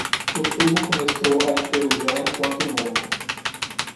O tubo começou a enferrujar enquanto novo.